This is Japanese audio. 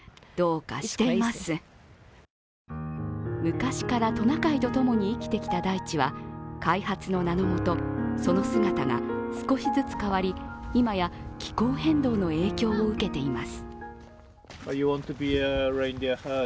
昔からトナカイと共に生きてきた大地は開発の名の下その姿が少しずつ変わり、今や気候変動の影響を受けています。